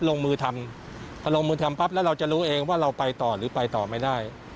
ลงมือทำพอลงมือทำปั๊บแล้วเราจะรู้เองว่าเราไปต่อหรือไปต่อไม่ได้